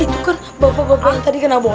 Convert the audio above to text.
itu kan bapak bapak tadi kena bunga